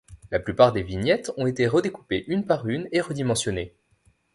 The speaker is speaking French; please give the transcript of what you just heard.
La plupart des vignettes ont été redécoupées une par une et redimensionnées.